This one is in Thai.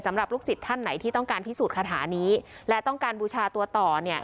สำหรับลูกศิษย์ท่านไหนที่ต้องการพิสูจน์คาถานี้และต้องการบูชาตัวต่อเนี่ย